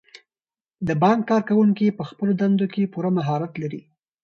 د بانک کارکوونکي په خپلو دندو کې پوره مهارت لري.